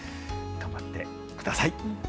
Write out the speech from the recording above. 頑張ってください。